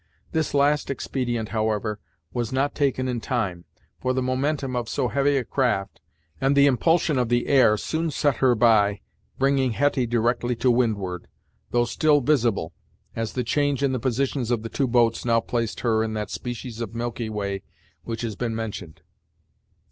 This last expedient, however, was not taken in time, for the momentum of so heavy a craft, and the impulsion of the air, soon set her by, bringing Hetty directly to windward, though still visible, as the change in the positions of the two boats now placed her in that species of milky way which has been mentioned.